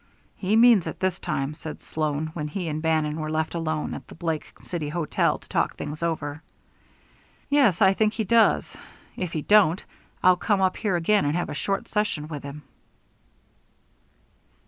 "He means it this time," said Sloan, when he and Bannon were left alone at the Blake City hotel to talk things over. "Yes, I think he does. If he don't, I'll come up here again and have a short session with him."